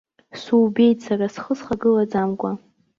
Субеит сара схы схагылаӡамкәа.